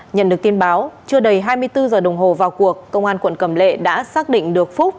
nhận được tin báo chưa đầy hai mươi bốn giờ đồng hồ vào cuộc công an quận cầm lệ đã xác định được phúc